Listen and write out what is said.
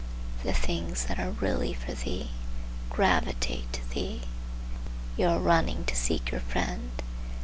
The things that are really for thee gravitate to thee. You are running to seek your friend.